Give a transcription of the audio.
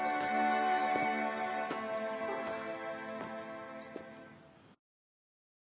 あっ。